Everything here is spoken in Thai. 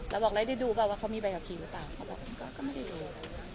แล้วบอกแล้วได้ดูเปล่าว่าเขามีใบขับขี่หรือเปล่าเขาบอกผมก็ไม่ได้ดู